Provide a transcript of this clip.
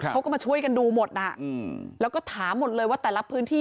เขาก็มาช่วยกันดูหมดน่ะแล้วก็ถามหมดเลยว่าแต่ละพื้นที่